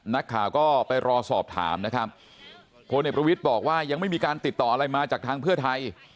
นักข่าวก็ไปรอสอบถามนะครับพลเอกประวิทย์บอกว่ายังไม่มีการติดต่ออะไรมาจากทางเพื่อไทย